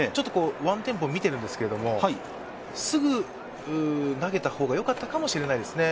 ワンテンポ見てるんですけど、すぐ投げた方がよかったかもしれないですね。